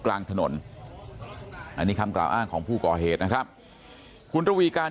กลางถนนอันนี้คำกล่าวอ้างของผู้ก่อเหตุนะครับคุณระวีการ